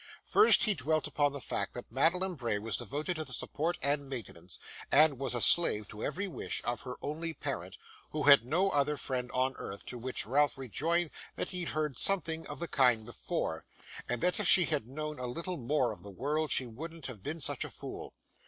First, he dwelt upon the fact that Madeline Bray was devoted to the support and maintenance, and was a slave to every wish, of her only parent, who had no other friend on earth; to which Ralph rejoined that he had heard something of the kind before, and that if she had known a little more of the world, she wouldn't have been such a fool.